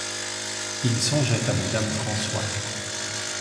Il songeait à madame François.